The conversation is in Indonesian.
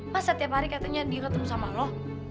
masa tiap hari katanya dia ketemu sama lo